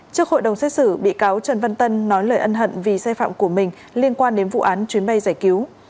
trước hội đồng xét xử bị cáo trần văn tân nói lời ân hận vì sai phạm của mình liên quan đến vụ án chuyến bay giải cứu